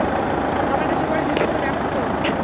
আমার কাছে পরে কৃতজ্ঞতা জ্ঞাপন কোরো।